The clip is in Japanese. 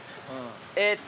えっと。